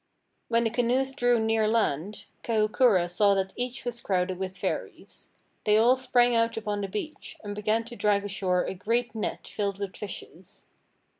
When the canoes drew near land, Kahukura saw that each was crowded with Fairies. They all sprang out upon the beach, and began to drag ashore a great net filled with fishes.